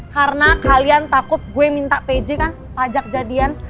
karena kalian takut gue minta pj kan pajak jadian